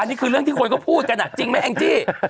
นี่คือเรื่องที่คนก็พูดกันจริงไหมแองจี้